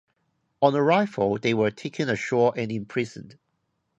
On arrival, they were taken ashore and imprisoned.